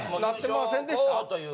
なってませんでした？